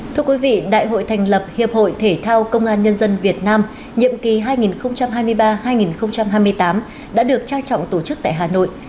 thưa quý vị đại hội thành lập hiệp hội thể thao công an nhân dân việt nam nhiệm kỳ hai nghìn hai mươi ba hai nghìn hai mươi tám đã được trang trọng tổ chức tại hà nội